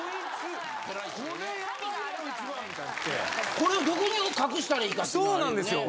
これどこに隠したらいいかっていうのはあるよね。